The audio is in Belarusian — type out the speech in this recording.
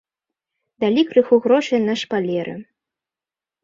Далі крыху грошай на шпалеры.